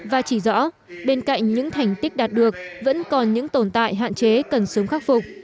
và chỉ rõ bên cạnh những thành tích đạt được vẫn còn những tồn tại hạn chế cần sớm khắc phục